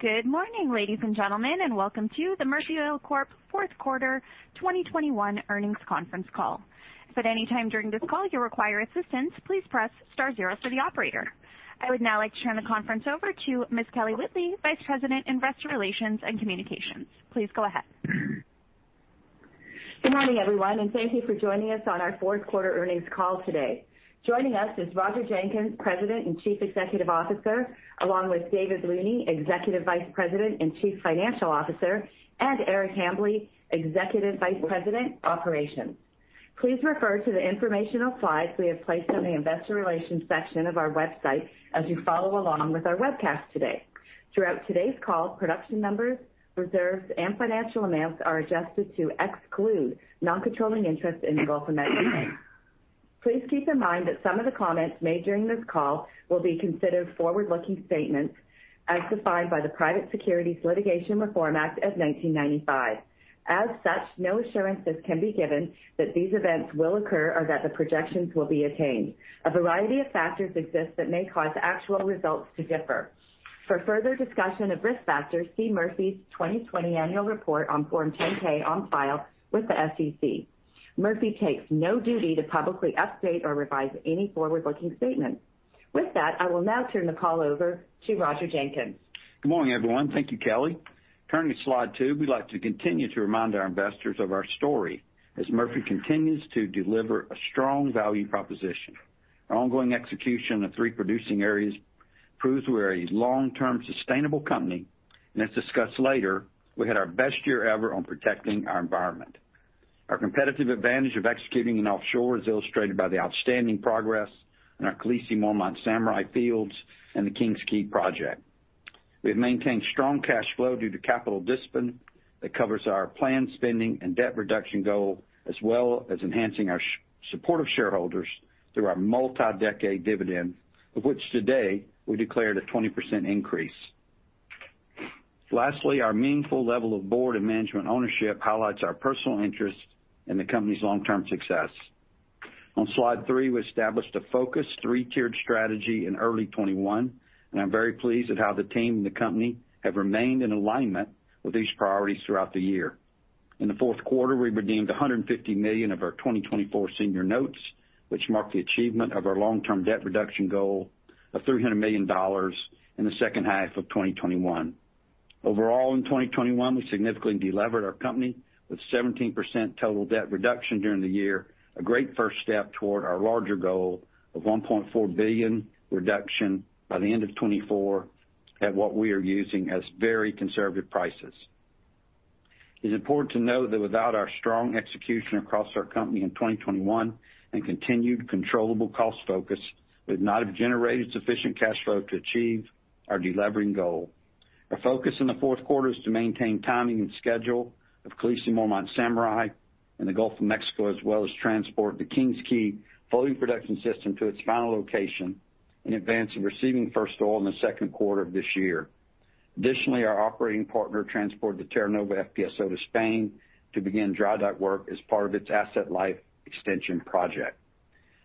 Good morning, ladies and gentlemen, and welcome to the Murphy Oil Corporation Fourth Quarter 2021 Earnings Conference Call. If at any time during this call you require assistance, please press star zero for the operator. I would now like to turn the conference over to Ms. Kelly Whitley, Vice President, Investor Relations and Communications. Please go ahead. Good morning, everyone, and thank you for joining us on our fourth quarter earnings call today. Joining us is Roger Jenkins, President and Chief Executive Officer, along with David Looney, Executive Vice President and Chief Financial Officer, and Eric Hambly, Executive Vice President, Operations. Please refer to the informational slides we have placed on the investor relations section of our website as you follow along with our webcast today. Throughout today's call, production numbers, reserves, and financial amounts are adjusted to exclude non-controlling interest in Gulf of Mexico. Please keep in mind that some of the comments made during this call will be considered forward-looking statements as defined by the Private Securities Litigation Reform Act of 1995. As such, no assurances can be given that these events will occur or that the projections will be attained. A variety of factors exist that may cause actual results to differ. For further discussion of risk factors, see Murphy's 2020 annual report on Form 10-K on file with the SEC. Murphy takes no duty to publicly update or revise any forward-looking statement. With that, I will now turn the call over to Roger Jenkins. Good morning, everyone. Thank you, Kelly. Turning to slide two, we'd like to continue to remind our investors of our story as Murphy continues to deliver a strong value proposition. Our ongoing execution of three producing areas proves we're a long-term sustainable company, and as discussed later, we had our best year ever on protecting our environment. Our competitive advantage of executing in offshore is illustrated by the outstanding progress in our Khaleesi, Mormont, and Samurai fields and the King's Quay project. We've maintained strong cash flow due to capital discipline that covers our planned spending and debt reduction goal, as well as enhancing our supportive shareholders through our multi-decade dividend, of which today we declared a 20% increase. Lastly, our meaningful level of board and management ownership highlights our personal interest in the company's long-term success. On slide three, we established a focused three-tiered strategy in early 2021, and I'm very pleased at how the team and the company have remained in alignment with these priorities throughout the year. In the fourth quarter, we redeemed $150 million of our 2024 senior notes, which marked the achievement of our long-term debt reduction goal of $300 million in the second half of 2021. Overall, in 2021, we significantly deleverage our company with 17% total debt reduction during the year, a great first step toward our larger goal of $1.4 billion reduction by the end of 2024 at what we are using as very conservative prices. It's important to know that without our strong execution across our company in 2021 and continued controllable cost focus, we'd not have generated sufficient cash flow to achieve our deleveraging goal. Our focus in the fourth quarter is to maintain timing and schedule of Khaleesi, Mormont, and Samurai in the Gulf of Mexico, as well as transport the King's Quay floating production system to its final location in advance of receiving first oil in the second quarter of this year. Additionally, our operating partner transported the Terra Nova FPSO to Spain to begin dry dock work as part of its asset life extension project.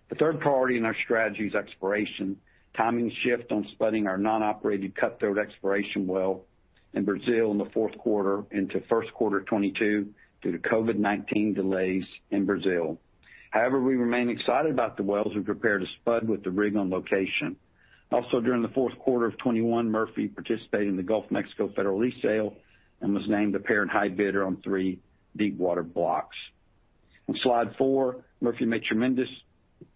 The third priority in our strategy is exploration, timing shift on spudding our non-operated Cutthroat exploration well in Brazil in the fourth quarter into first quarter 2022 due to COVID-19 delays in Brazil. However, we remain excited about the wells we prepare to spud with the rig on location. Also, during the fourth quarter of 2021, Murphy participated in the Gulf of Mexico federal lease sale and was named the apparent high bidder on three deepwater blocks. On slide four, Murphy made tremendous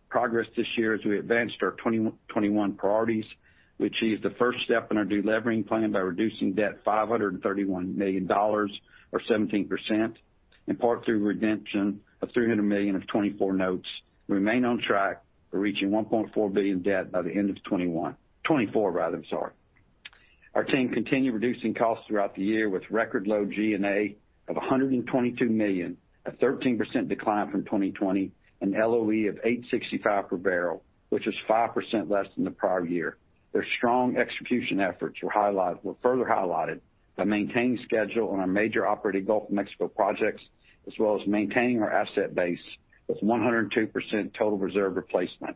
progress this year as we advanced our 2021 priorities. We achieved the first step in our deleveraging plan by reducing debt $531 million or 17%, in part through redemption of $300 million of 2024 notes. We remain on track for reaching $1.4 billion debt by the end of 2021. 2024 rather, I'm sorry. Our team continued reducing costs throughout the year with record low G&A of $122 million, a 13% decline from 2020, an LOE of $8.65/bbl, which is 5% less than the prior year. Their strong execution efforts were further highlighted by maintaining schedule on our major operating Gulf of Mexico projects as well as maintaining our asset base with 102% total reserve replacement.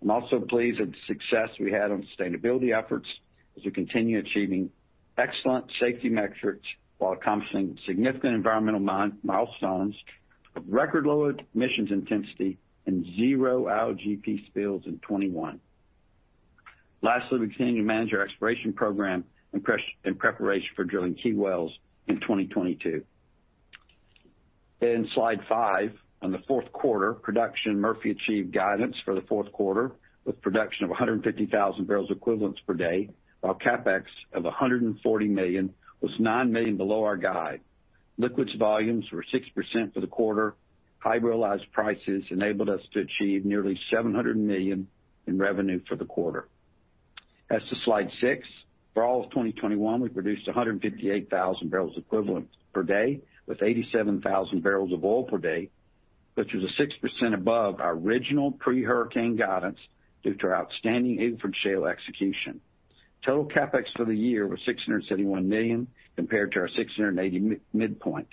I'm also pleased at the success we had on sustainability efforts as we continue achieving excellent safety metrics while accomplishing significant environmental milestones of record low emissions intensity and zero LPG spills in 2021. Lastly, we continue to manage our exploration program in preparation for drilling key wells in 2022. In slide five, on the fourth quarter production, Murphy achieved guidance for the fourth quarter with production of 150,000 bbl equivalents per day, while CapEx of $140 million was $9 million below our guide. Liquids volumes were 6% for the quarter. High realized prices enabled us to achieve nearly $700 million in revenue for the quarter. As to slide six, for all of 2021, we produced 158,000 bbl equivalent per day with 87,000 bbl of oil per day, which was 6% above our original pre-hurricane guidance due to our outstanding Eagle Ford Shale execution. Total CapEx for the year was $671 million compared to our $680 million midpoint.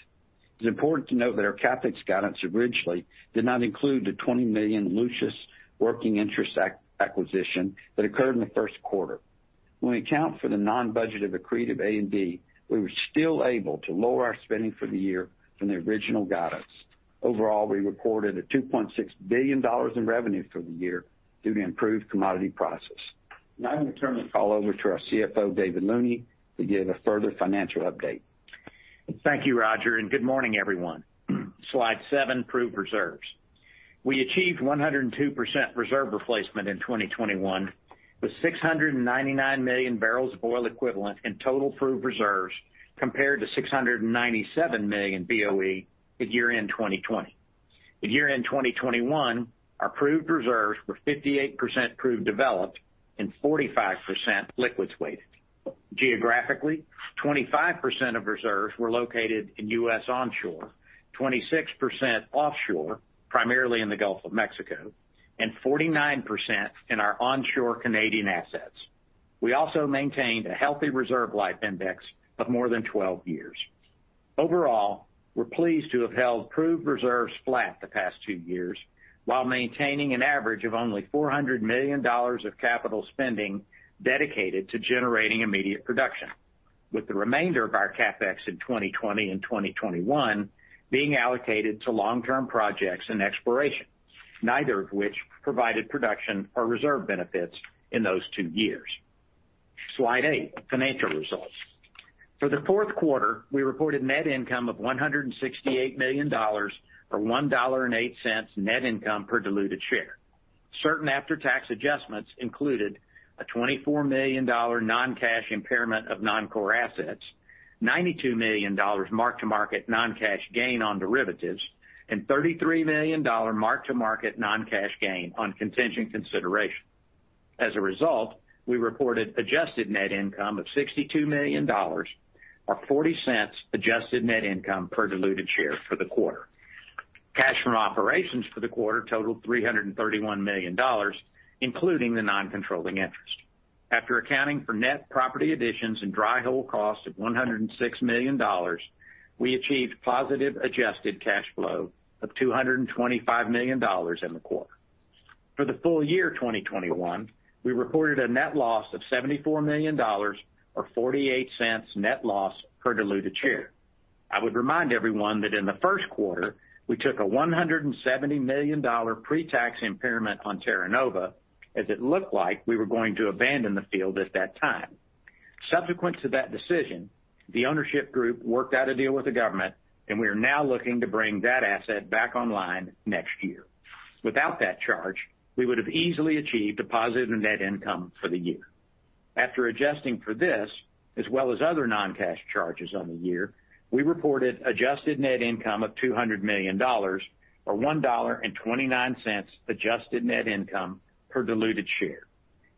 It's important to note that our CapEx guidance originally did not include the $20 million Lucius working interest acquisition that occurred in the first quarter. When we account for the non-budgeted accretive A&D, we were still able to lower our spending for the year from the original guidance. Overall, we reported $2.6 billion in revenue for the year due to improved commodity prices. Now I'm gonna turn the call over to our CFO, David Looney, to give a further financial update. Thank you, Roger, and good morning, everyone. Slide seven, proved reserves. We achieved 102% reserve replacement in 2021, with 699 million bbl of oil equivalent in total proved reserves, compared to 697 million BOE at year-end 2020. At year-end 2021, our proved reserves were 58% proved developed and 45% liquids weighted. Geographically, 25% of reserves were located in U.S. onshore, 26% offshore, primarily in the Gulf of Mexico, and 49% in our onshore Canadian assets. We also maintained a healthy reserve life index of more than 12 years. Overall, we're pleased to have held proved reserves flat the past two years while maintaining an average of only $400 million of capital spending dedicated to generating immediate production, with the remainder of our CapEx in 2020 and 2021 being allocated to long-term projects and exploration, neither of which provided production or reserve benefits in those two years. Slide eight, financial results. For the fourth quarter, we reported net income of $168 million, or $1.08 net income per diluted share. Certain after-tax adjustments included a $24 million non-cash impairment of non-core assets, $92 million mark-to-market non-cash gain on derivatives, and $33 million mark-to-market non-cash gain on contingent consideration. As a result, we reported adjusted net income of $62 million or $0.40 adjusted net income per diluted share for the quarter. Cash from operations for the quarter totaled $331 million, including the non-controlling interest. After accounting for net property additions and dry hole cost of $106 million, we achieved positive adjusted cash flow of $225 million in the quarter. For the full year 2021, we reported a net loss of $74 million or $0.48 net loss per diluted share. I would remind everyone that in the first quarter, we took a $170 million pre-tax impairment on Terra Nova, as it looked like we were going to abandon the field at that time. Subsequent to that decision, the ownership group worked out a deal with the government, and we are now looking to bring that asset back online next year. Without that charge, we would have easily achieved a positive net income for the year. After adjusting for this, as well as other non-cash charges on the year, we reported adjusted net income of $200 million or $1.29 adjusted net income per diluted share.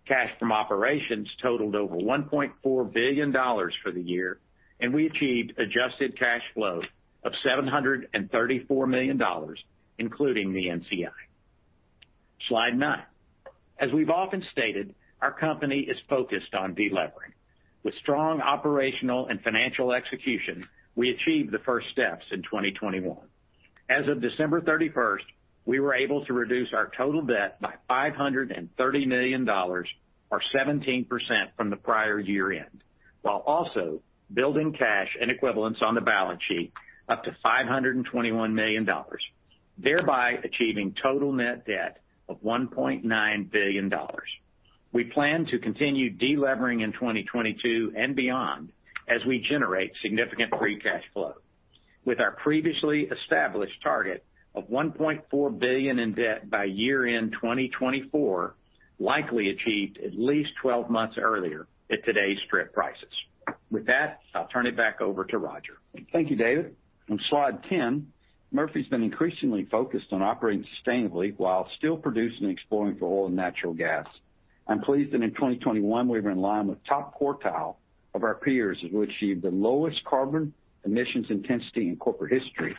Cash from operations totaled over $1.4 billion for the year, and we achieved adjusted cash flow of $734 million, including the NCI. Slide 9, as we've often stated, our company is focused on deleveraging. With strong operational and financial execution, we achieved the first steps in 2021. As of December 31, we were able to reduce our total debt by $530 million or 17% from the prior year-end, while also building cash and equivalents on the balance sheet up to $521 million, thereby achieving total net debt of $1.9 billion. We plan to continue deleveraging in 2022 and beyond as we generate significant free cash flow. With our previously established target of $1.4 billion in debt by year-end 2024, likely achieved at least 12 months earlier at today's strip prices. With that, I'll turn it back over to Roger. Thank you, David. On slide ten, Murphy's been increasingly focused on operating sustainably while still producing and exploring for oil and natural gas. I'm pleased that in 2021, we were in line with top quartile of our peers as we achieved the lowest carbon emissions intensity in corporate history.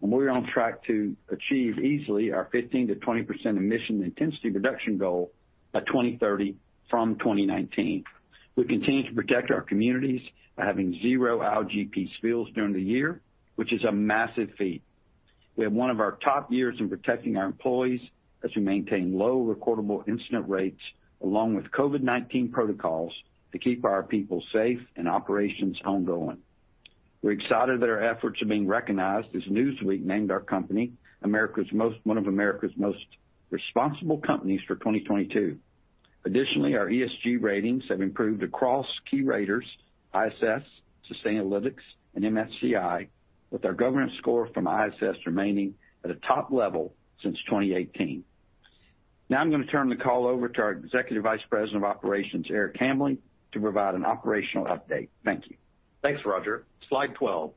We're on track to achieve easily our 15%-20% emission intensity reduction goal by 2030 from 2019. We continue to protect our communities by having 0 LPG spills during the year, which is a massive feat. We had one of our top years in protecting our employees as we maintain low recordable incident rates along with COVID-19 protocols to keep our people safe and operations ongoing. We're excited that our efforts are being recognized as Newsweek named our company one of America's Most Responsible Companies for 2022. Additionally, our ESG ratings have improved across key raters ISS, Sustainalytics, and MSCI, with our governance score from ISS remaining at a top level since 2018. Now I'm gonna turn the call over to our Executive Vice President of Operations, Eric Hambly, to provide an operational update. Thank you. Thanks, Roger. Slide 12,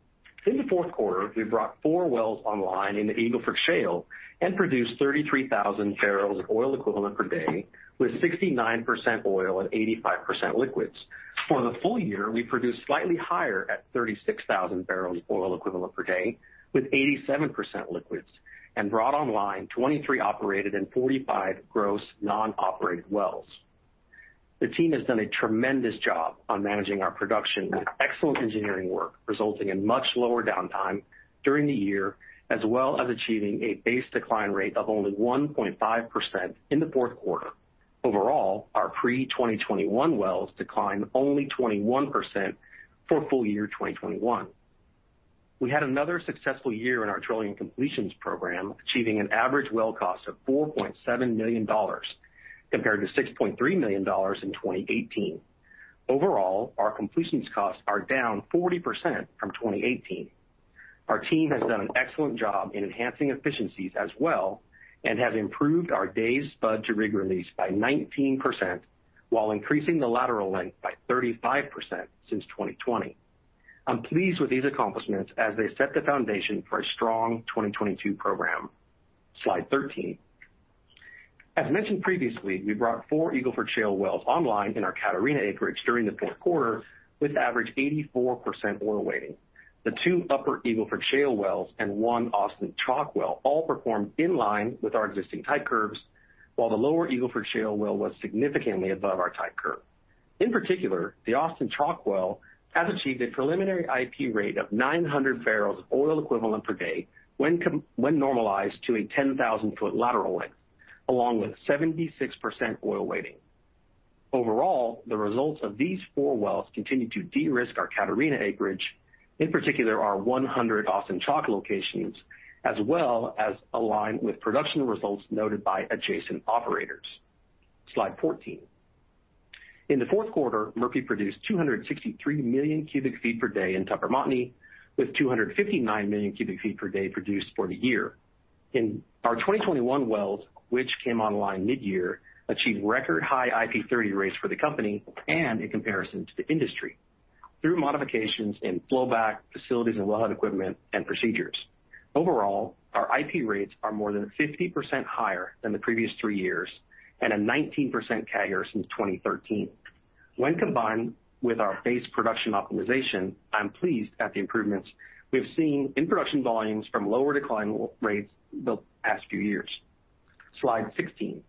in the fourth quarter, we brought four wells online in the Eagle Ford Shale and produced 33,000 bbl equivalent per day with 69% oil and 85% liquids. For the full year, we produced slightly higher at 36,000 bbl of oil equivalent per day with 87% liquids and brought online 23 operated and 45 gross non-operated wells. The team has done a tremendous job on managing our production with excellent engineering work, resulting in much lower downtime during the year, as well as achieving a base decline rate of only 1.5% in the fourth quarter. Overall, our pre-2021 wells declined only 21% for full year 2021. We had another successful year in our drilling completions program, achieving an average well cost of $4.7 million compared to $6.3 million in 2018. Overall, our completions costs are down 40% from 2018. Our team has done an excellent job in enhancing efficiencies as well, and have improved our days spud to rig release by 19% while increasing the lateral length by 35% since 2020. I'm pleased with these accomplishments as they set the foundation for a strong 2022 program. Slide 13, as mentioned previously, we brought four Eagle Ford Shale wells online in our Catarina acreage during the fourth quarter with average 84% oil weighting. The two upper Eagle Ford Shale wells and one Austin Chalk well all performed in line with our existing type curves, while the lower Eagle Ford Shale well was significantly above our type curve. In particular, the Austin Chalk well has achieved a preliminary IP rate of 900 bbl of oil equivalent per day when normalized to a 10,000 foot lateral length, along with 76% oil weighting. Overall, the results of these four wells continue to de-risk our Catarina acreage, in particular our 100 Austin Chalk locations, as well as align with production results noted by adjacent operators. Slide 14, in the fourth quarter, Murphy produced 263 MMcf/day in Tupper Montney, with 259 MMcf/day produced for the year. In our 2021 wells, which came online mid-year, achieved record high IP 30 rates for the company and in comparison to the industry through modifications in flow back facilities and wellhead equipment and procedures. Overall, our IP rates are more than 50% higher than the previous three years and a 19% CAGR since 2013. When combined with our base production optimization, I'm pleased at the improvements we've seen in production volumes from lower decline rates the past few years. Slide 16,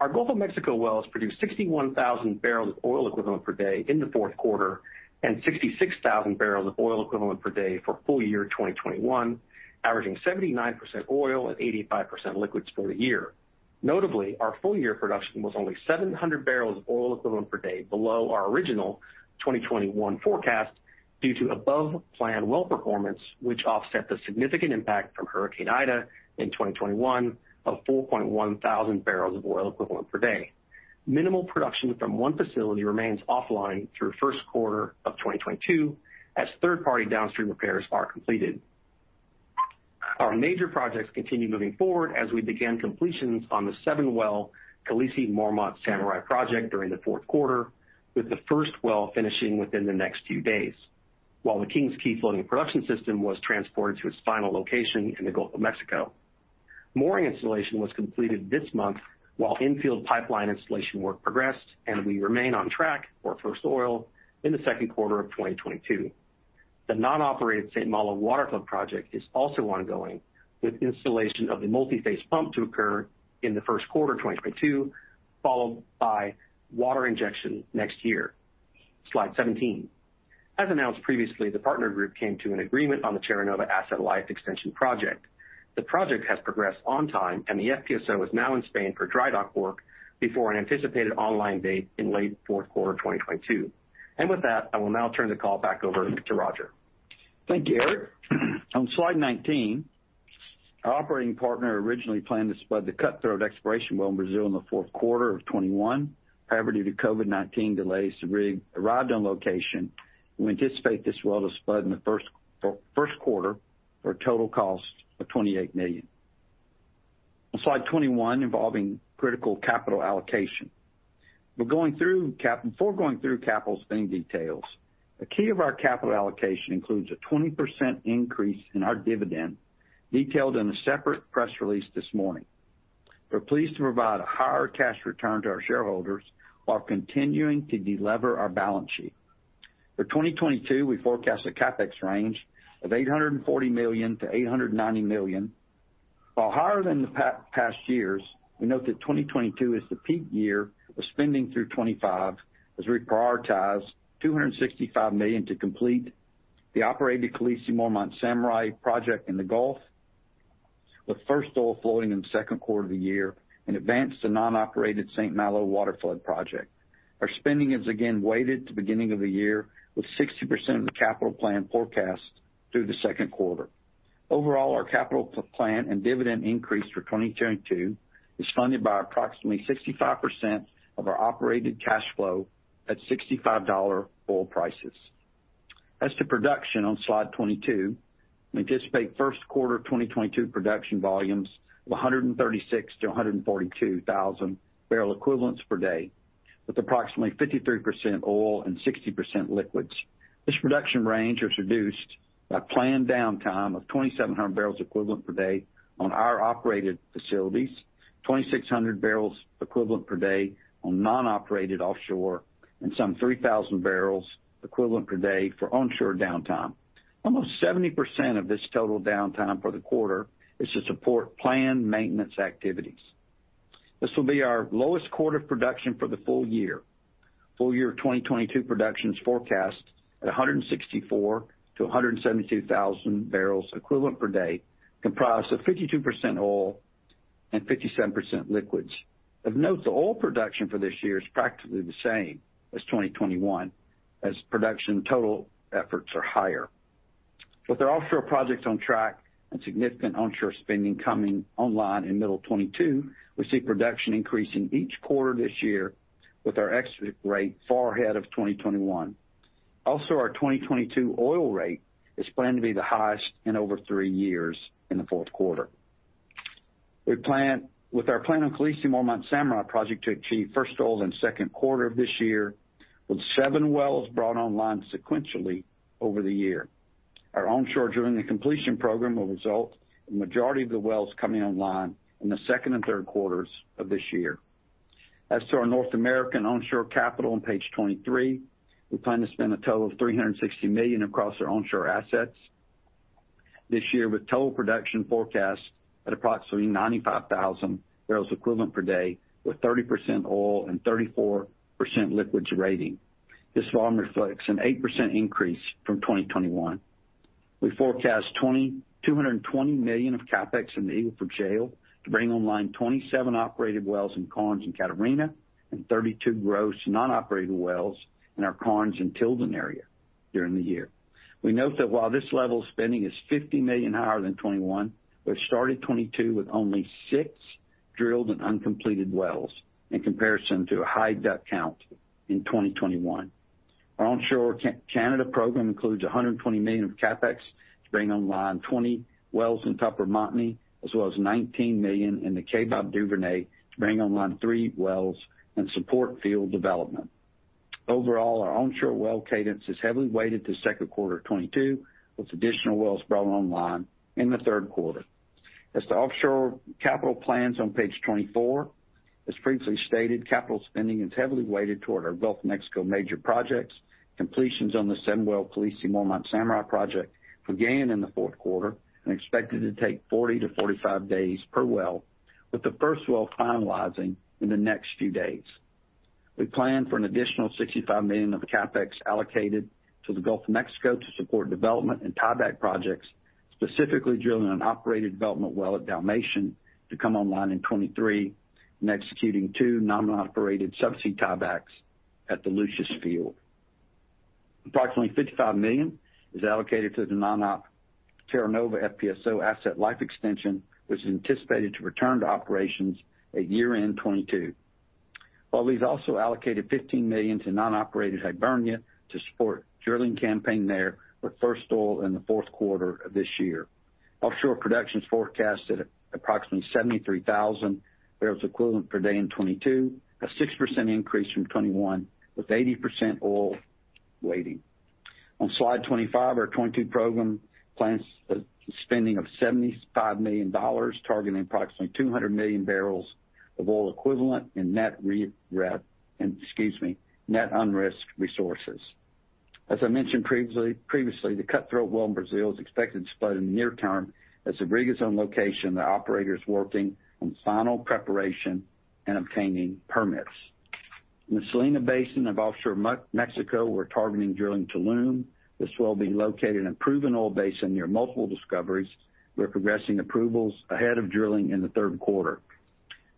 our Gulf of Mexico wells produced 61,000 bbl of oil equivalent per day in the fourth quarter and 66,000 bbl of oil equivalent per day for full year 2021, averaging 79% oil at 85% liquids for the year. Notably, our full-year production was only 700 bbl of oil equivalent per day below our original 2021 forecast due to above-plan well performance, which offset the significant impact from Hurricane Ida in 2021 of 4,100 bbl of oil equivalent per day. Minimal production from one facility remains offline through first quarter of 2022 as third-party downstream repairs are completed. Our major projects continue moving forward as we began completions on the seven-well Khaleesi/Mormont/Samurai project during the fourth quarter, with the first well finishing within the next few days. The King's Quay floating production system was transported to its final location in the Gulf of Mexico. Mooring installation was completed this month, while infield pipeline installation work progressed, and we remain on track for first oil in the second quarter of 2022. The non-operated St. Malo water flood project is also ongoing, with installation of the multi-phase pump to occur in the first quarter 2022, followed by water injection next year. Slide 17. As announced previously, the partner group came to an agreement on the Terra Nova asset life extension project. The project has progressed on time, and the FPSO is now in Spain for dry dock work before an anticipated online date in late fourth quarter 2022. With that, I will now turn the call back over to Roger. Thank you, Eric. On slide 19, our operating partner originally planned to spud the Cutthroat exploration well in Brazil in the fourth quarter of 2021. However, due to COVID-19 delays, the rig arrived on location. We anticipate this well to spud in the first quarter for a total cost of $28 million. On slide 21, involving critical capital allocation. Before going through capital spending details, a key of our capital allocation includes a 20% increase in our dividend, detailed in a separate press release this morning. We're pleased to provide a higher cash return to our shareholders while continuing to delever our balance sheet. For 2022, we forecast a CapEx range of $840 million-$890 million. While higher than the past years, we note that 2022 is the peak year of spending through 2025, as we prioritize $265 million to complete the operated Khaleesi, Mormont, and Samurai project in the Gulf, with first oil flowing in the second quarter of the year and advance the non-operated St. Malo water flood project. Our spending is again weighted to beginning of the year, with 60% of the capital plan forecast through the second quarter. Overall, our capital plan and dividend increase for 2022 is funded by approximately 65% of our operated cash flow at $65 oil prices. As to production on slide 22, we anticipate first quarter of 2022 production volumes of 136-142 thousand bbl equivalents per day, with approximately 53% oil and 60% liquids. This production range is reduced by planned downtime of 2,700 bbl equivalent per day on our operated facilities, 2,600 bbl equivalent per day on non-operated offshore. Some 3,000 bbl equivalent per day for onshore downtime. Almost 70% of this total downtime for the quarter is to support planned maintenance activities. This will be our lowest quarter of production for the full year. Full year 2022 production is forecast at 164,000-172,000 bBL equivalent per day, comprised of 52% oil and 57% liquids. Of note, the oil production for this year is practically the same as 2021 as production total efforts are higher. With our offshore projects on track and significant onshore spending coming online in middle 2022, we see production increasing each quarter this year with our exit rate far ahead of 2021. Our 2022 oil rate is planned to be the highest in over three years in the fourth quarter. With our plan on Khaleesi, Mormont and Samurai project to achieve first oil in second quarter of this year, with seven wells brought online sequentially over the year. Our onshore drilling and completion program will result in majority of the wells coming online in the second and third quarters of this year. As to our North American onshore capital on page 23, we plan to spend a total of $360 million across our onshore assets this year with total production forecast at approximately 95,000 bbl equivalent per day, with 30% oil and 34% liquids weighting. This volume reflects an 8% increase from 2021. We forecast $2,220 million of CapEx in the Eagle Ford Shale to bring online 27 operated wells in Karnes and Catarina and 32 gross non-operated wells in our Karnes and Tilden area during the year. We note that while this level of spending is $50 million higher than 2021, we've started 2022 with only six drilled and uncompleted wells in comparison to a high DUC count in 2021. Our onshore Canada program includes $120 million of CapEx to bring online 20 wells in Upper Montney, as well as $19 million in the Kaybob Duvernay to bring online three wells and support field development. Overall, our onshore well cadence is heavily weighted to second quarter 2022, with additional wells brought online in the third quarter. As to offshore capital plans on page 24. As previously stated, capital spending is heavily weighted toward our Gulf of Mexico major projects. Completions on the seven-well Khaleesi, Mormont, Samurai project began in the fourth quarter and are expected to take 40-45 days per well, with the first well finalizing in the next few days. We plan for an additional $65 million of CapEx allocated to the Gulf of Mexico to support development and tieback projects, specifically drilling an operated development well at Dalmatian to come online in 2023 and executing two non-operated subsea tiebacks at the Lucius field. Approximately $55 million is allocated to the non-op Terra Nova FPSO asset life extension, which is anticipated to return to operations at year-end 2022. While we've also allocated $15 million to non-operated Hibernia to support drilling campaign there with first oil in the fourth quarter of this year. Offshore production is forecasted at approximately 73,000 barrels of oil equivalent per day in 2022, a 6% increase from 2021 with 80% oil weighting. On slide 25, our 2022 program plans spending of $75 million, targeting approximately 200 million barrel of oil equivalent in net unrisked resources. As I mentioned previously, the Cutthroat well in Brazil is expected to spud in the near term at Sergipe zone location. The operator is working on final preparation and obtaining permits. In the Salina Basin of offshore Mexico, we're targeting drilling Tulum. This well being located in a proven oil basin near multiple discoveries. We're progressing approvals ahead of drilling in the third quarter.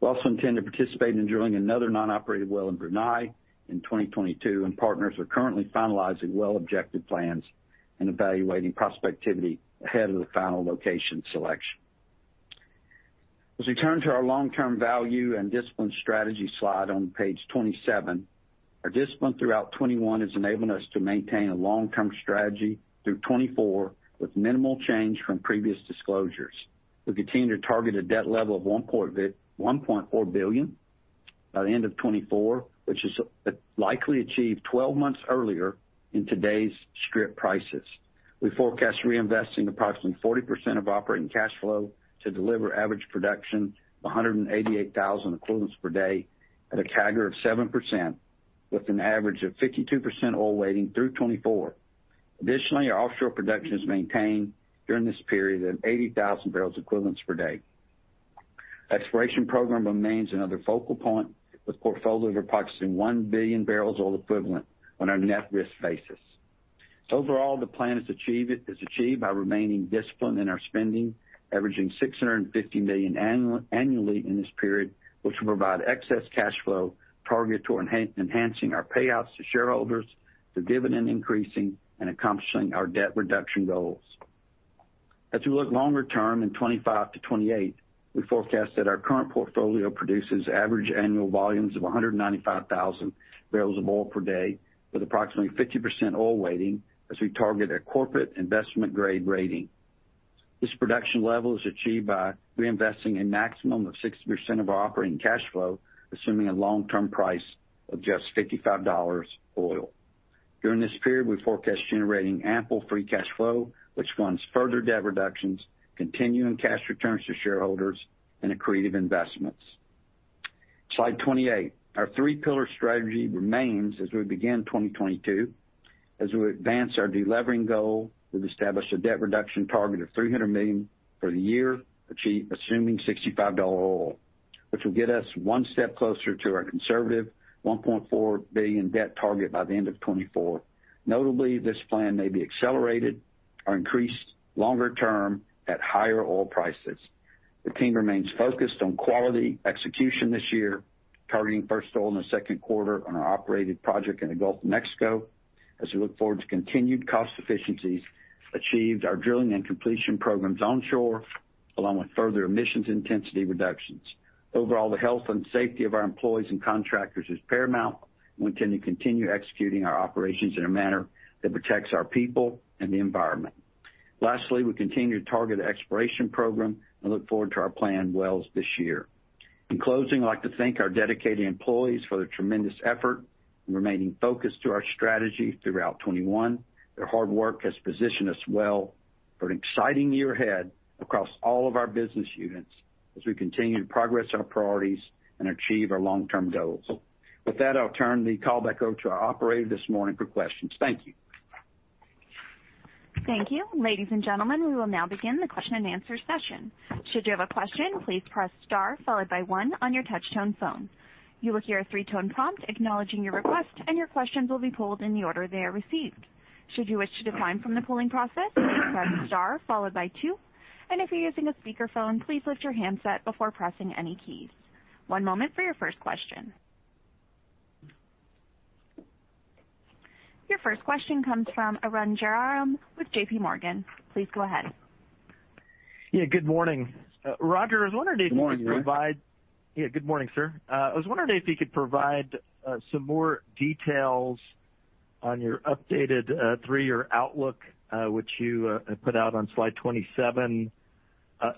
We also intend to participate in drilling another non-operated well in Brunei in 2022, and partners are currently finalizing well objective plans and evaluating prospectivity ahead of the final location selection. As we turn to our long-term value and discipline strategy slide on page 27, our discipline throughout 2021 has enabled us to maintain a long-term strategy through 2024 with minimal change from previous disclosures. We continue to target a debt level of $1.4 billion by the end of 2024, which is likely achieved 12 months earlier in today's strip prices. We forecast reinvesting approximately 40% of operating cash flow to deliver average production of 188,000 equivalents per day at a CAGR of 7%, with an average of 52% oil weighting through 2024. Additionally, our offshore production is maintained during this period of 80,000 bbl of oil equivalent per day. Exploration program remains another focal point, with portfolios of approximately 1 billion barrels of oil equivalent on our net risk basis. Overall, the plan is achieved by remaining disciplined in our spending, averaging $650 million annually in this period, which will provide excess cash flow targeted toward enhancing our payouts to shareholders, increasing the dividend, and accomplishing our debt reduction goals. As we look longer term in 2025 to 2028, we forecast that our current portfolio produces average annual volumes of 195,000 bbl of oil per day with approximately 50% oil weighting as we target a corporate investment-grade rating. This production level is achieved by reinvesting a maximum of 60% of operating cash flow, assuming a long-term price of just $55 oil. During this period, we forecast generating ample free cash flow, which funds further debt reductions, continuing cash returns to shareholders and accretive investments. Slide 28, our three-pillar strategy remains as we begin 2022. As we advance our deleveraging goal, we've established a debt reduction target of $300 million for the year, assuming $65 oil, which will get us one step closer to our conservative $1.4 billion debt target by the end of 2024. Notably, this plan may be accelerated or increased longer term at higher oil prices. The team remains focused on quality execution this year, targeting first oil in the second quarter on our operated project in the Gulf of Mexico, as we look forward to continued cost efficiencies and achieving our drilling and completion programs onshore, along with further emissions intensity reductions. Overall, the health and safety of our employees and contractors is paramount. We intend to continue executing our operations in a manner that protects our people and the environment. Lastly, we continue to target exploration program and look forward to our planned wells this year. In closing, I'd like to thank our dedicated employees for their tremendous effort in remaining focused on our strategy throughout 2021. Their hard work has positioned us well for an exciting year ahead across all of our business units as we continue to progress our priorities and achieve our long-term goals. With that, I'll turn the call back over to our operator this morning for questions. Thank you. Thank you. Ladies and gentlemen, we will now begin the question-and-answer session. Should you have a question, please press star followed by one on your touchtone phone. You will hear a three-tone prompt acknowledging your request, and your questions will be pulled in the order they are received. Should you wish to decline from the polling process, press star followed by two. If you're using a speakerphone, please lift your handset before pressing any keys. One moment for your first question. Your first question comes from Arun Jayaram with JPMorgan. Please go ahead. Yeah, good morning. Roger, I was wondering if you could provide- Good morning, Arun. Yeah, good morning, sir. I was wondering if you could provide some more details on your updated three-year outlook, which you put out on slide 27.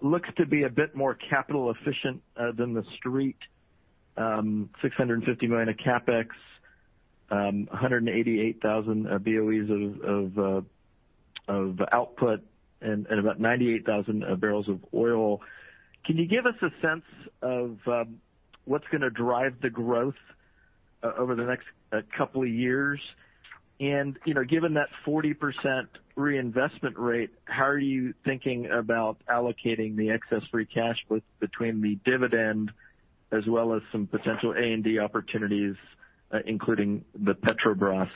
Looks to be a bit more capital efficient than the street. $650 million of CapEx, 188,000 BOEs of output and about 98,000 bbl of oil. Can you give us a sense of what's gonna drive the growth over the next couple of years? You know, given that 40% reinvestment rate, how are you thinking about allocating the excess free cash flow between the dividend as well as some potential A&D opportunities, including the Petrobras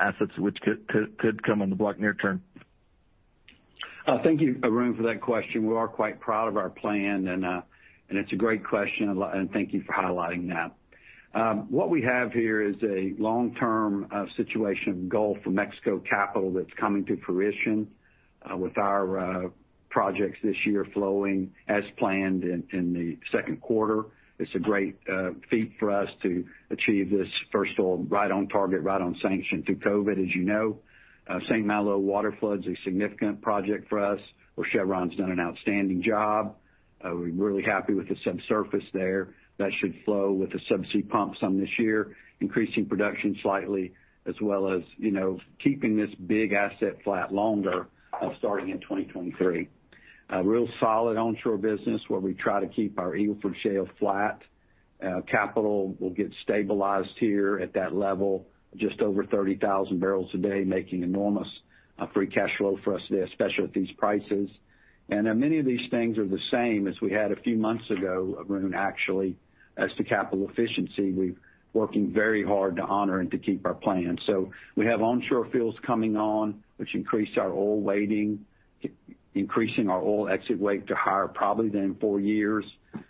assets which could come on the block near term? Thank you, Arun, for that question. We are quite proud of our plan, and it's a great question, and thank you for highlighting that. What we have here is a long-term situation Gulf of Mexico capital that's coming to fruition, with our projects this year flowing as planned in the second quarter. It's a great feat for us to achieve this first oil right on target, right on sanction through COVID, as you know. St. Malo water flood's a significant project for us, where Chevron's done an outstanding job. We're really happy with the subsurface there. That should flow with the subsea pumps on this year, increasing production slightly, as well as, you know, keeping this big asset flat longer, starting in 2023. Real solid onshore business where we try to keep our Eagle Ford Shale flat. Capital will get stabilized here at that level, just over 30,000 bbl a day, making enormous free cash flow for us there, especially at these prices. Many of these things are the same as we had a few months ago, Arun, actually, as to capital efficiency. We're working very hard to honor and to keep our plan. We have onshore fields coming on, which increased our oil weighting, increasing our oil exit weight to higher probably than four years.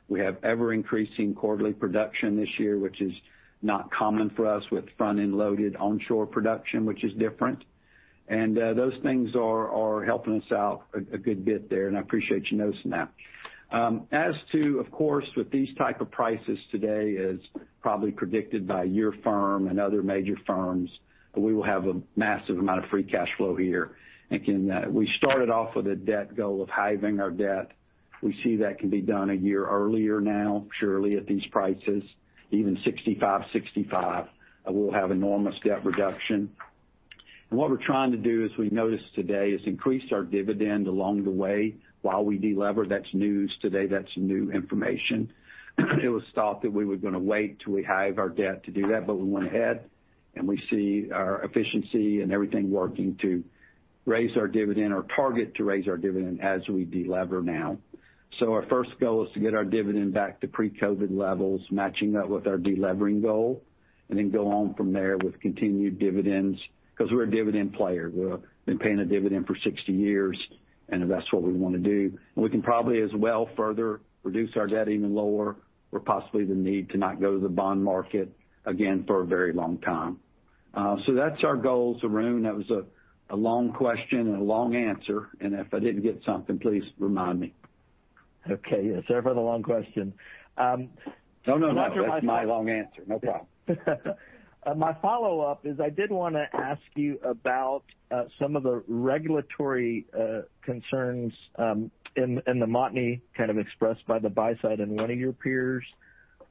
We have ever-increasing quarterly production this year, which is not common for us with front-end loaded onshore production, which is different. Those things are helping us out a good bit there, and I appreciate you noticing that. Of course, with these type of prices today, as probably predicted by your firm and other major firms, we will have a massive amount of free cash flow here. Again, we started off with a debt goal of halving our debt. We see that can be done a year earlier now, surely at these prices. Even 65/65, we'll have enormous debt reduction. What we're trying to do as we've noticed today is increase our dividend along the way while we de-lever. That's news today. That's new information. It was thought that we were gonna wait till we halve our debt to do that, but we went ahead, and we see our efficiency and everything working to raise our dividend or target to raise our dividend as we de-lever now. Our first goal is to get our dividend back to pre-COVID levels, matching that with our de-levering goal, and then go on from there with continued dividends because we're a dividend player. We've been paying a dividend for 60 years, and that's what we wanna do. We can probably as well further reduce our debt even lower or possibly the need to not go to the bond market again for a very long time. That's our goals, Arun. That was a long question and a long answer, and if I didn't get something, please remind me. Okay. Yes, sorry for the long question. No, no. That's my long answer. No problem. My follow-up is I did wanna ask you about some of the regulatory concerns in the Montney kind of expressed by the buy side and one of your peers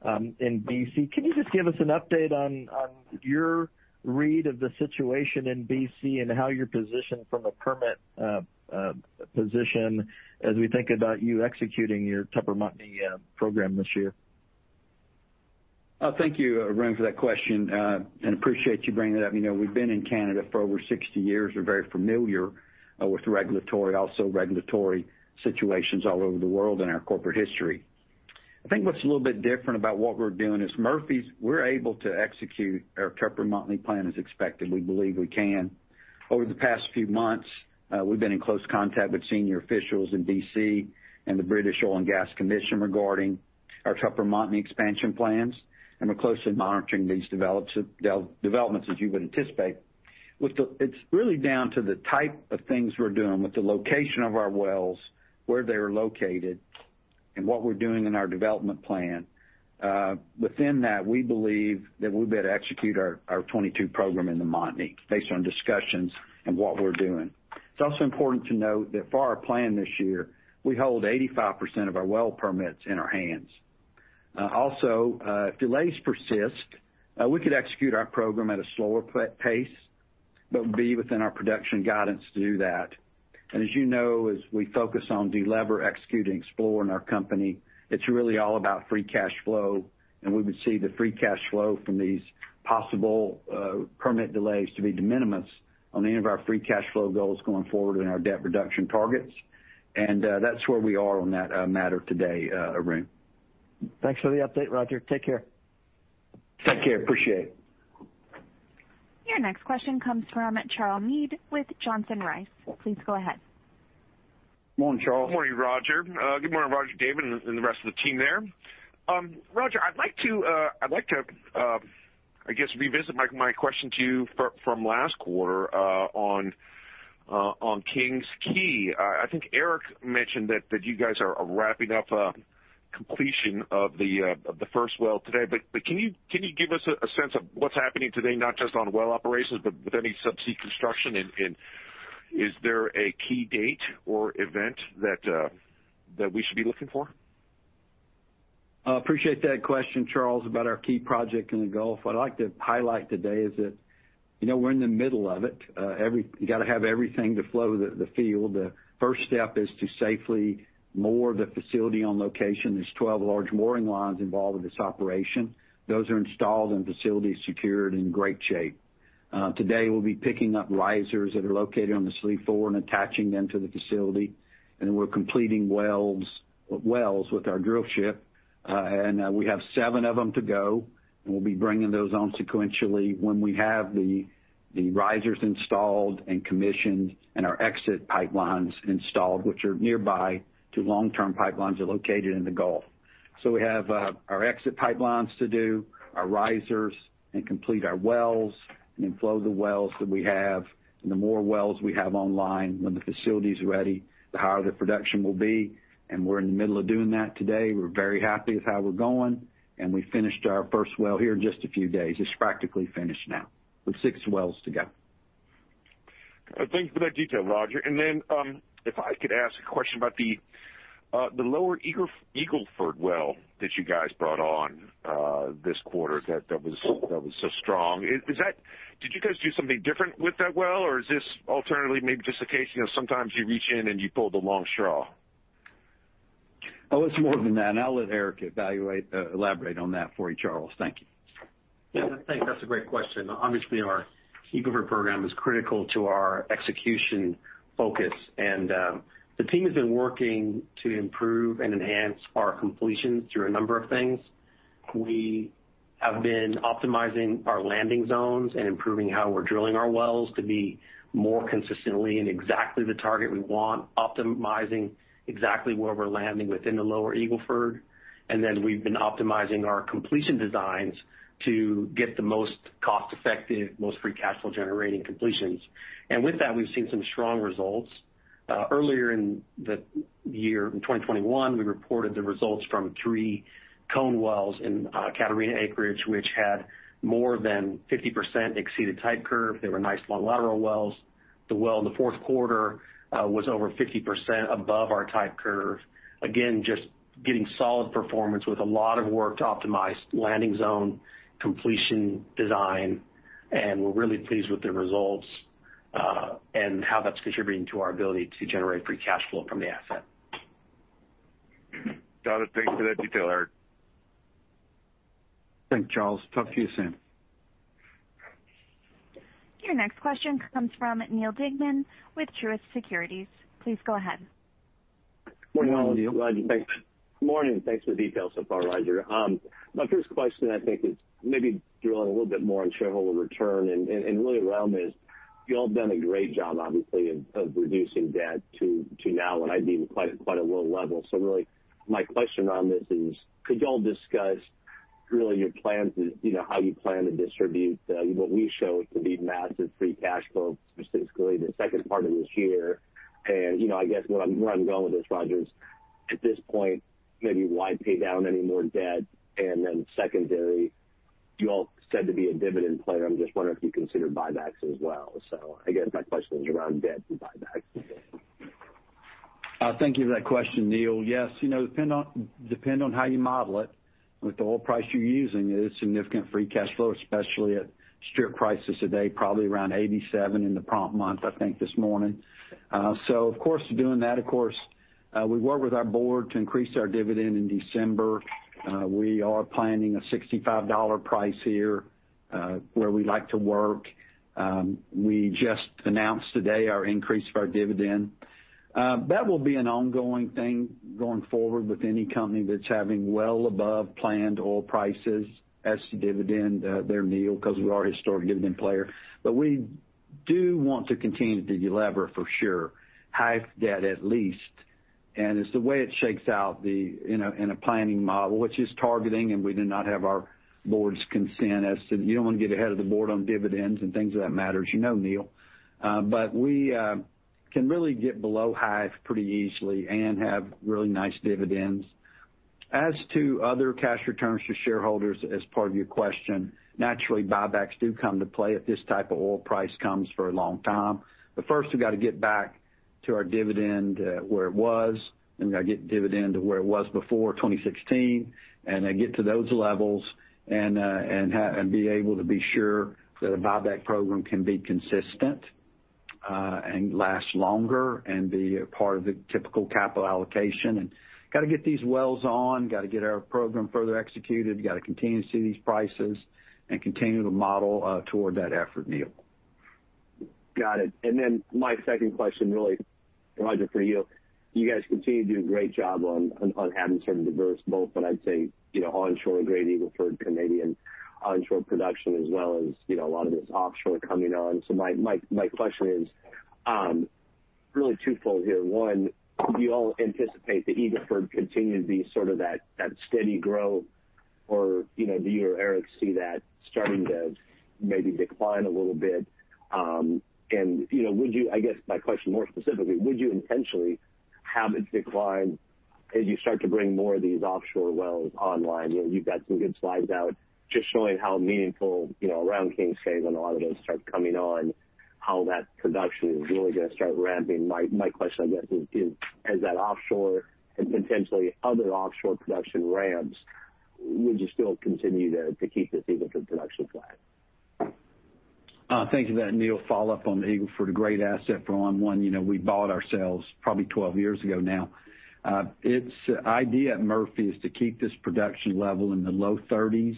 in BC. Can you just give us an update on your read of the situation in BC and how you're positioned from a permit position as we think about you executing your Tupper Montney program this year? Thank you, Arun, for that question, and appreciate you bringing it up. You know, we've been in Canada for over 60 years. We're very familiar with regulatory, also regulatory situations all over the world in our corporate history. I think what's a little bit different about what we're doing is Murphy's, we're able to execute our Tupper Montney plan as expected. We believe we can. Over the past few months, we've been in close contact with senior officials in BC and the BC Oil and Gas Commission regarding our Tupper Montney expansion plans, and we're closely monitoring these developments, as you would anticipate. It's really down to the type of things we're doing with the location of our wells, where they're located, and what we're doing in our development plan. Within that, we believe that we'll be able to execute our 2022 program in the Montney based on discussions and what we're doing. It's also important to note that for our plan this year, we hold 85% of our well permits in our hands. Also, if delays persist, we could execute our program at a slower pace, but be within our production guidance to do that. As you know, as we focus on de-lever, execute, and explore in our company, it's really all about free cash flow, and we would see the free cash flow from these possible permit delays to be de minimis on any of our free cash flow goals going forward in our debt reduction targets. That's where we are on that matter today, Arun. Thanks for the update, Roger. Take care. Take care. Appreciate it. Your next question comes from Charles Meade with Johnson Rice. Please go ahead. Morning, Charles. Morning, Roger. Good morning, Roger, David, and the rest of the team there. Roger, I'd like to, I guess, revisit my question to you from last quarter on King's Quay. I think Eric mentioned that you guys are wrapping up completion of the first well today. Can you give us a sense of what's happening today, not just on well operations, but with any subsea construction? Is there a key date or event that we should be looking for? I appreciate that question, Charles, about our key project in the Gulf. What I'd like to highlight today is that, you know, we're in the middle of it. You gotta have everything to flow the field. The first step is to safely moor the facility on location. There's 12 large mooring lines involved with this operation. Those are installed and facilities secured in great shape. Today, we'll be picking up risers that are located on the sleeve floor and attaching them to the facility, and we're completing wells with our drill ship. And we have seven of them to go, and we'll be bringing those on sequentially when we have the risers installed and commissioned and our export pipelines installed, which are nearby to long-term pipelines that are located in the Gulf. We have our export pipelines to do, our risers, and complete our wells, and then flow the wells that we have. The more wells we have online when the facility's ready, the higher the production will be, and we're in the middle of doing that today. We're very happy with how we're going, and we finished our first well here in just a few days. It's practically finished now, with six wells to go. Thank you for that detail, Roger. If I could ask a question about the Eagle Ford well that you guys brought on this quarter that was so strong. Did you guys do something different with that well, or is this alternatively maybe just a case, you know, sometimes you reach in and you pull the long straw? Oh, it's more than that, and I'll let Eric elaborate on that for you, Charles. Thank you. Yeah. Thanks. That's a great question. Obviously, our Eagle Ford program is critical to our execution focus, and the team has been working to improve and enhance our completion through a number of things. We have been optimizing our landing zones and improving how we're drilling our wells to be more consistently in exactly the target we want, optimizing exactly where we're landing within the Lower Eagle Ford. We've been optimizing our completion designs to get the most cost-effective, most free cash flow-generating completions. With that, we've seen some strong results. Earlier in the year, in 2021, we reported the results from three cone wells in Catarina acreage, which had more than 50% exceeded type curve. They were nice long lateral wells. The well in the fourth quarter was over 50% above our type curve. Again, just getting solid performance with a lot of work to optimize landing zone completion design, and we're really pleased with the results, and how that's contributing to our ability to generate free cash flow from the asset. Got it. Thanks for that detail, Eric. Thanks, Charles. Talk to you soon. Your next question comes from Neal Dingmann with Truist Securities. Please go ahead. Morning, Neal. Morning. Thanks for the details so far, Roger. My first question I think is maybe drilling a little bit more on shareholder return and really around this. You all have done a great job, obviously, of reducing debt to now what I'd call quite a low level. Really, my question on this is, could y'all discuss Really your plans is, you know, how you plan to distribute what we show to be massive free cash flow, specifically the second part of this year. You know, I guess where I'm going with this, Roger, is at this point, maybe why pay down any more debt? Secondary, you all said to be a dividend player. I'm just wondering if you considered buybacks as well. I guess my question is around debt and buybacks. Thank you for that question, Neal. Yes. You know, depend on how you model it. With the oil price you're using, it is significant free cash flow, especially at strip prices today, probably around $87 in the prompt month, I think this morning. So of course, doing that, we work with our board to increase our dividend in December. We are planning a $65 price here, where we like to work. We just announced today our increase of our dividend. That will be an ongoing thing going forward with any company that's having well above planned oil prices as to dividend, there, Neal, 'cause we are a historic dividend player. But we do want to continue to de-lever for sure, high debt at least. It's the way it shakes out in a planning model, which is targeting, and we do not have our board's consent as to. You don't wanna get ahead of the board on dividends and things of that matter, as you know, Neal. But we can really get below 60 pretty easily and have really nice dividends. As to other cash returns to shareholders as part of your question, naturally, buybacks do come into play if this type of oil price comes for a long time. First we got to get back to our dividend, where it was, and gotta get dividend to where it was before 2016, and then get to those levels and be able to be sure that a buyback program can be consistent, and last longer and be a part of the typical capital allocation. Gotta get these wells on, gotta get our program further executed, gotta continue to see these prices and continue to model toward that effort, Neil. Got it. My second question really, Roger, for you. You guys continue to do a great job on having sort of diverse both what I'd say, you know, onshore Eagle Ford Canadian onshore production as well as, you know, a lot of this offshore coming on. My question is really twofold here. One, do you all anticipate that Eagle Ford continue to be sort of that steady growth or, you know, do you or Eric see that starting to maybe decline a little bit? You know, would you? I guess my question more specifically, would you intentionally have it decline as you start to bring more of these offshore wells online? You know, you've got some good slides out just showing how meaningful, you know, around King's Quay and a lot of those start coming on, how that production is really gonna start ramping. My question, I guess, is as that offshore and potentially other offshore production ramps, would you still continue to keep this Eagle Ford production flat? Thank you for that, Neal. Follow-up on the Eagle Ford, a great asset for one. You know, we bought it ourselves probably 12 years ago now. The idea at Murphy is to keep this production level in the low 30s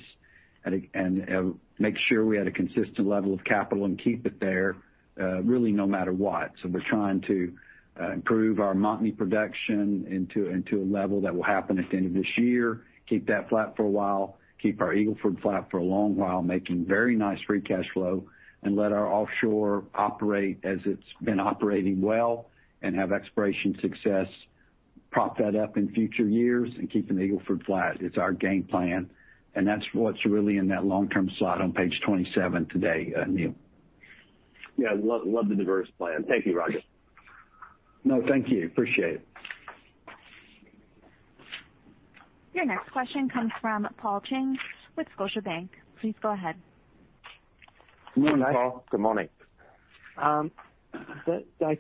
and make sure we have a consistent level of capital and keep it there, really no matter what. We're trying to improve our Montney production into a level that will happen at the end of this year, keep that flat for a while, keep our Eagle Ford flat for a long while, making very nice free cash flow, and let our offshore operate as it's been operating well and have exploration success, prop that up in future years and keeping Eagle Ford flat is our game plan. That's what's really in that long-term slot on page 27 today, Neal. Yeah. Love the diverse plan. Thank you, Roger. No, thank you. Appreciate it. Your next question comes from Paul Cheng with Scotiabank. Please go ahead. Good morning, Paul. Good morning. I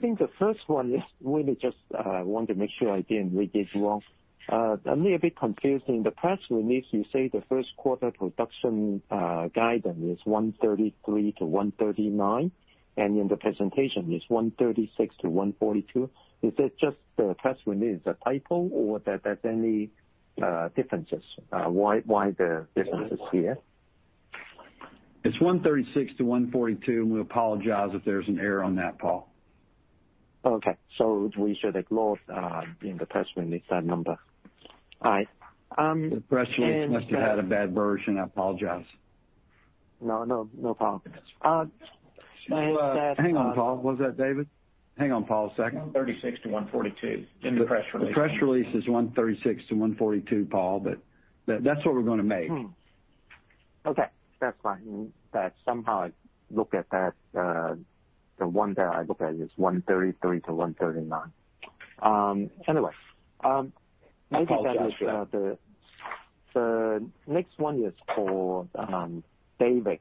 think the first one is really just I want to make sure I didn't read it wrong. A little bit confusing. The press release, you say the first quarter production guidance is 133-139, and in the presentation it's 136-142. Is it just the press release a typo or there's any differences? Why the differences here? It's 136-142, and we apologize if there's an error on that, Paul. Okay. We should ignore in the press release that number. All right. The press release must have had a bad version. I apologize. No, no problem. My understanding. Hang on, Paul. What was that, David? Hang on, Paul, a second. 136-142 in the press release. The press release is 136-142, Paul, but that's what we're gonna make. Okay. That's fine. That somehow I looked at that, the one that I looked at is 133-139. Anyway, Apologies for that. Maybe that was the next one is for David.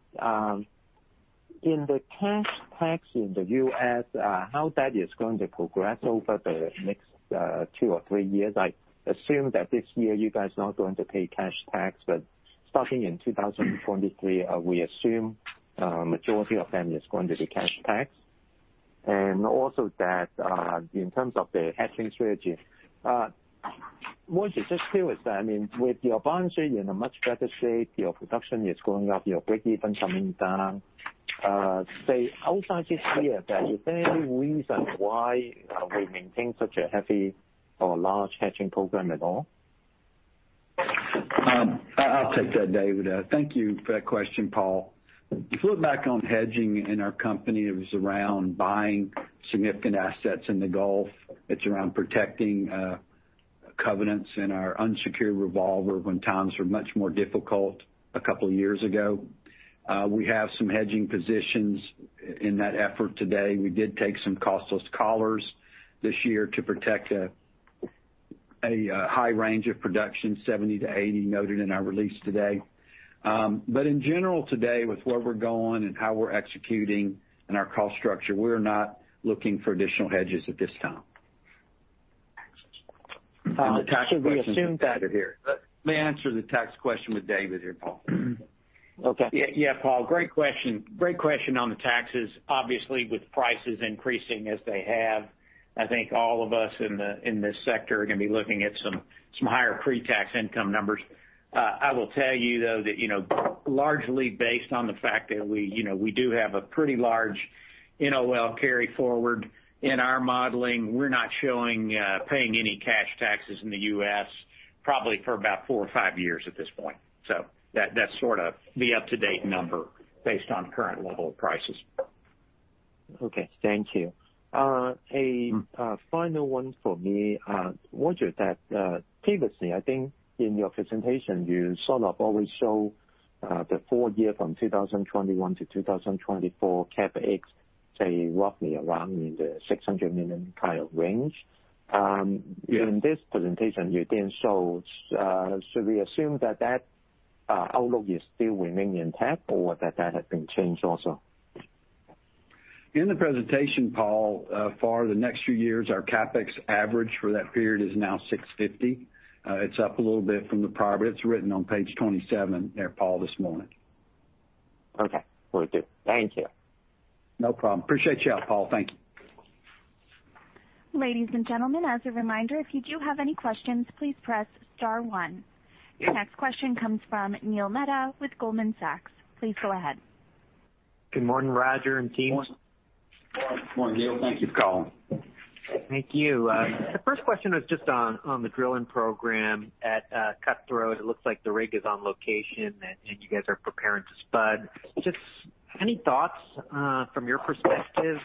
In the cash tax in the U.S., how that is going to progress over the next two or three years? I assume that this year you guys not going to pay cash tax, but starting in 2023, we assume majority of them is going to be cash tax. Also, that in terms of the hedging strategy, what's your philosophy with that? I mean, with your balance sheet, you're in a much better shape, your production is going up, your breakeven coming down. Say, outside this year, is there any reason why we maintain such a heavy or large hedging program at all? I'll take that, David. Thank you for that question, Paul. If you look back on hedging in our company, it was around buying significant assets in the Gulf. It's around protecting covenants in our unsecured revolver when times are much more difficult a couple years ago. We have some hedging positions in that effort today. We did take some costless collars this year to protect a high range of production, 70-80, noted in our release today. In general today with where we're going and how we're executing and our cost structure, we're not looking for additional hedges at this time. Should we assume that? Let me answer the tax question with David here, Paul. Okay. Yeah, Paul, great question. Great question on the taxes. Obviously, with prices increasing as they have, I think all of us in this sector are gonna be looking at some higher pre-tax income numbers. I will tell you though that, you know, largely based on the fact that we, you know, we do have a pretty large NOL carry forward in our modeling. We're not showing paying any cash taxes in the U.S. probably for about four or five years at this point. That's sort of the up-to-date number based on current level of prices. Okay, thank you. A final one for me. Roger, previously, I think in your presentation, you sort of always show the four-year from 2021-2024 CapEx, say, roughly around in the $600 million kind of range. Yeah. In this presentation you then show, should we assume that outlook is still remaining intact or that has been changed also? In the presentation, Paul, for the next few years, our CapEx average for that period is now $650. It's up a little bit from the prior, but it's written on page 27 there, Paul, this morning. Okay. Will do. Thank you. No problem. Appreciate you, Paul. Thank you. Ladies and gentlemen, as a reminder, if you do have any questions, please press star one. Your next question comes from Neil Mehta with Goldman Sachs. Please go ahead. Good morning, Roger and team. Morning, Neil. Thank you for calling. Thank you. The first question was just on the drilling program at Cutthroat. It looks like the rig is on location and you guys are preparing to spud. Just any thoughts from your perspective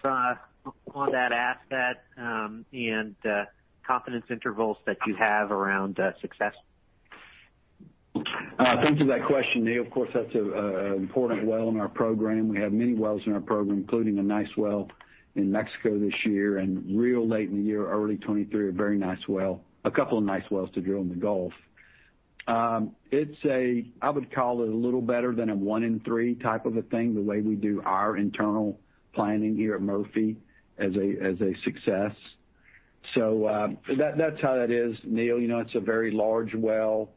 on that asset, and confidence intervals that you have around success? Thanks for that question, Neil. Of course, that's an important well in our program. We have many wells in our program, including a nice well in Mexico this year and really late in the year, early 2023, a very nice well. A couple of nice wells to drill in the Gulf. It's a little better than a one in three type of a thing, the way we do our internal planning here at Murphy as a success. That's how that is, Neil. You know, it's a very large well,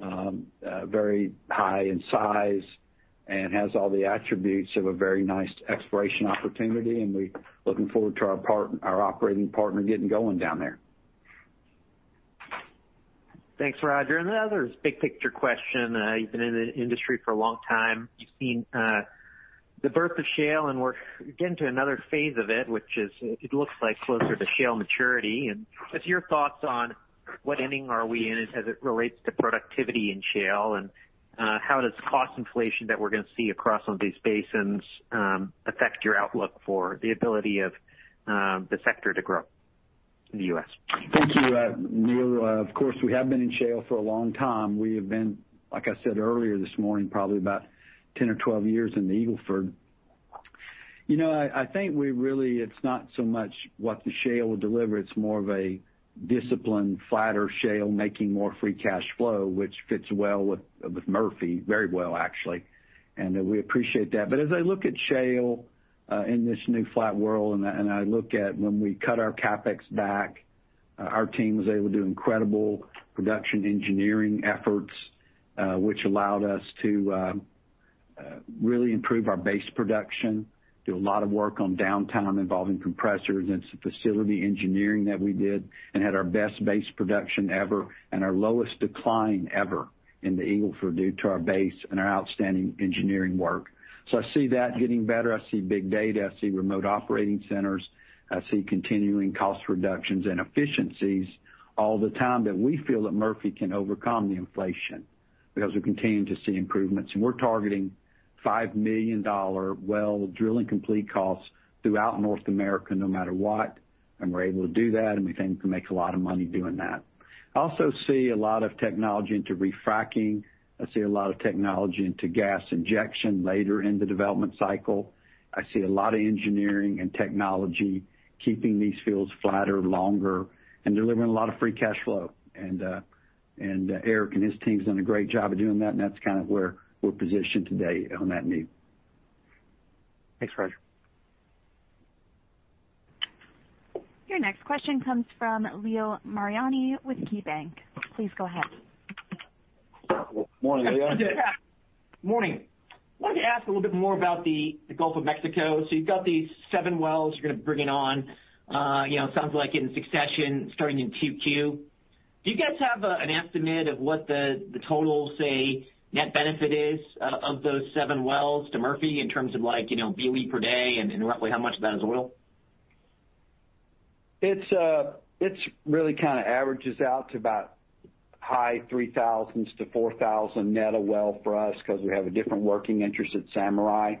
very high in size and has all the attributes of a very nice exploration opportunity, and we're looking forward to our operating partner getting going down there. Thanks, Roger. Another big picture question. You've been in the industry for a long time. You've seen the birth of shale, and we're getting to another phase of it, which is it looks like closer to shale maturity. Just your thoughts on what inning are we in as it relates to productivity in shale, and how does cost inflation that we're gonna see across some of these basins affect your outlook for the ability of the sector to grow in the U.S.? Thank you, Neil. Of course, we have been in shale for a long time. We have been, like I said earlier this morning, probably about 10 or 12 years in the Eagle Ford. You know, I think it's not so much what the shale will deliver, it's more of a disciplined, flatter shale making more free cash flow, which fits well with Murphy, very well actually, and we appreciate that. But as I look at shale in this new flat world, and I look at when we cut our CapEx back, our team was able to do incredible production engineering efforts, which allowed us to really improve our base production. Did a lot of work on downtime involving compressors and some facility engineering that we did and had our best base production ever and our lowest decline ever in the Eagle Ford due to our base and our outstanding engineering work. I see that getting better. I see big data. I see remote operating centers. I see continuing cost reductions and efficiencies all the time that we feel that Murphy can overcome the inflation because we're continuing to see improvements. We're targeting $5 million well drilling complete costs throughout North America no matter what. We're able to do that, and we think we can make a lot of money doing that. I also see a lot of technology into re-fracking. I see a lot of technology into gas injection later in the development cycle. I see a lot of engineering and technology keeping these fields flatter longer and delivering a lot of free cash flow. Eric and his team's done a great job of doing that, and that's kind of where we're positioned today on that need. Thanks, Roger. Your next question comes from Leo Mariani with KeyBanc. Please go ahead. Morning, Leo. Morning. I wanted to ask a little bit more about the Gulf of Mexico. You've got these seven wells you're gonna be bringing on, you know, sounds like in succession starting in 2Q. Do you guys have an estimate of what the total, say, net benefit is of those seven wells to Murphy in terms of like, you know, BOE per day and roughly how much of that is oil? It's really kind of averages out to about high 3,000s-4,000 net a well for us, because we have a different working interest at Samurai.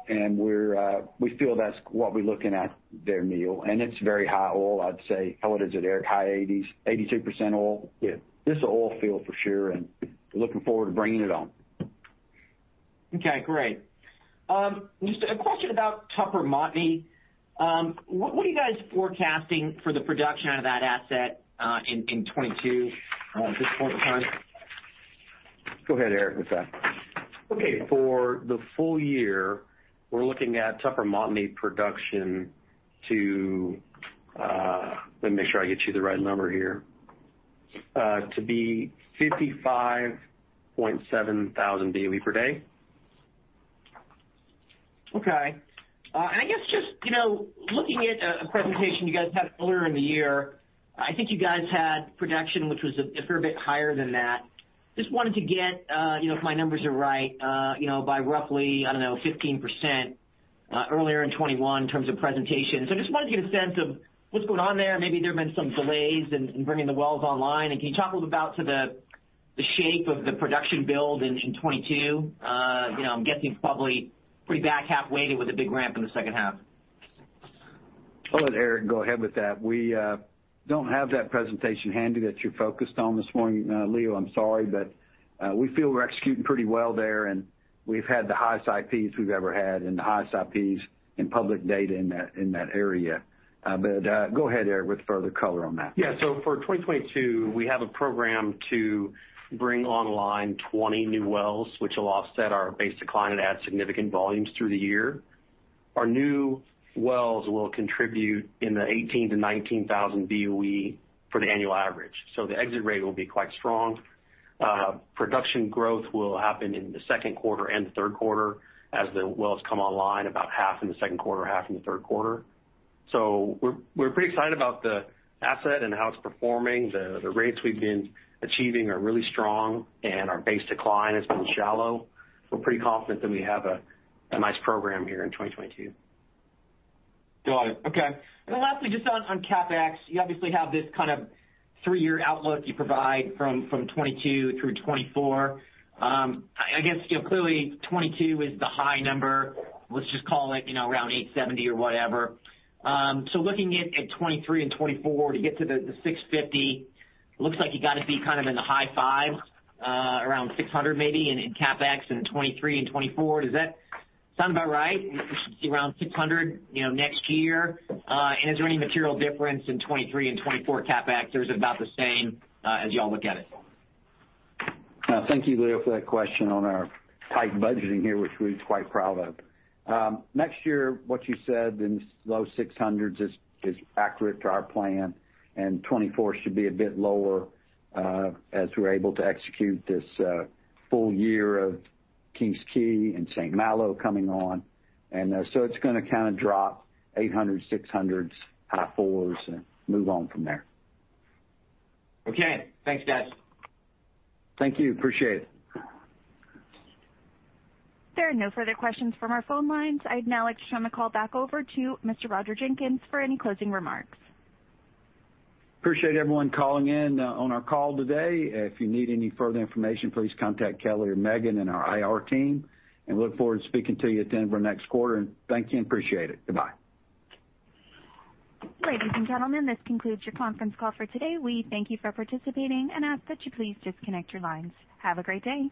We feel that's what we're looking at there, Leo. It's very high oil, I'd say. How old is it, Eric? High 80s. 82% oil. Yeah. This is an oil field for sure, and looking forward to bringing it on. Okay, great. Just a question about Tupper Montney. What are you guys forecasting for the production out of that asset, in 2022, at this point in time? Go ahead, Eric, with that. Okay. For the full year, we're looking at Tupper Montney production to, let me make sure I get you the right number here, to be 55.7 thousand daily per day. Okay. I guess just, you know, looking at a presentation you guys had earlier in the year, I think you guys had production, which was a fair bit higher than that. Just wanted to get, you know, if my numbers are right, you know, by roughly, I don't know, 15%, earlier in 2021 in terms of presentations. I just wanted to get a sense of what's going on there. Maybe there have been some delays in bringing the wells online. Can you talk a little about the shape of the production build in 2022? You know, I'm guessing it's probably pretty back half weighted with a big ramp in the second half. I'll let Eric go ahead with that. We don't have that presentation handy that you focused on this morning, Leo. I'm sorry. We feel we're executing pretty well there, and we've had the highest IPs we've ever had and the highest IPs in public data in that area. Go ahead, Eric, with further color on that. For 2022, we have a program to bring online 20 new wells, which will offset our base decline and add significant volumes through the year. Our new wells will contribute in the 18,000-19,000 BOE for the annual average, so the exit rate will be quite strong. Production growth will happen in the second quarter and the third quarter as the wells come online about half in the second quarter, half in the third quarter. We're pretty excited about the asset and how it's performing. The rates we've been achieving are really strong, and our base decline has been shallow. We're pretty confident that we have a nice program here in 2022. Got it. Okay. Lastly, just on CapEx. You obviously have this kind of three-year outlook you provide from 2022 through 2024. I guess, you know, clearly 2022 is the high number, let's just call it, you know, around $870 million or whatever. Looking at 2023 and 2024 to get to the $650 million, looks like you gotta be kind of in the high fives, around $600 million maybe in CapEx in 2023 and 2024. Does that sound about right? We should see around $600 million, you know, next year. Is there any material difference in 2023 and 2024 CapEx, or is it about the same, as y'all look at it? Thank you, Leo, for that question on our tight budgeting here, which we're quite proud of. Next year, what you said in low $600s is accurate to our plan. 2024 should be a bit lower, as we're able to execute this full year of King's Quay and St. Malo coming on. It's gonna kinda drop $800, $600s, high $400s, and move on from there. Okay. Thanks, guys. Thank you. Appreciate it. There are no further questions from our phone lines. I'd now like to turn the call back over to Mr. Roger Jenkins for any closing remarks. Appreciate everyone calling in on our call today. If you need any further information, please contact Kelly or Megan in our IR team, and we look forward to speaking to you at the end of our next quarter. Thank you and appreciate it. Goodbye. Ladies and gentlemen, this concludes your conference call for today. We thank you for participating and ask that you please disconnect your lines. Have a great day.